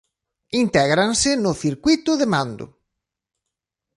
Intégranse no circuíto de mando.